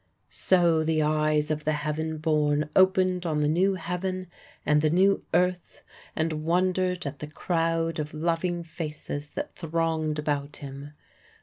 So the eyes of the heaven born opened on the new heaven and the new earth, and wondered at the crowd of loving faces that thronged about him.